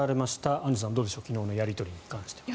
アンジュさん、どうでしょう昨日のやり取りに関しては。